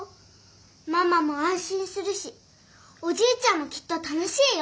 ママもあんしんするしおじいちゃんもきっと楽しいよ。